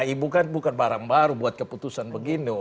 ibu kan bukan barang baru buat keputusan begini